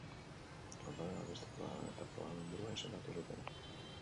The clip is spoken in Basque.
Ondoren, Albiste programen eta Programen burua izendatu zuten.